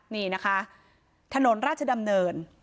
นี่นะคะถนนราชดำเนิน